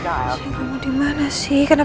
perant cocok sendiri banyak keberhatian